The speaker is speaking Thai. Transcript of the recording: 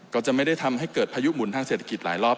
ก็จะไม่ได้ทำให้เกิดพายุหมุนทางเศรษฐกิจหลายรอบ